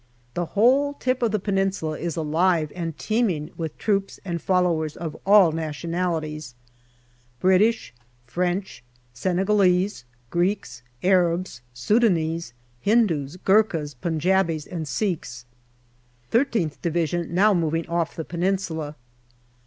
The whole tip of the Peninsula is alive and teeming with troops and followers of all nationalities British, French, Senegalese, Greeks, Arabs, Sudanese, Hindus, Gurkhas, Punjabis, and Sikhs. 176 GALLIPOLI DIARY I3th Division now moving off the Peninsula.